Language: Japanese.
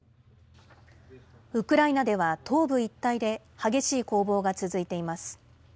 ウクライナでは東部一帯で、激しい攻防が続いています。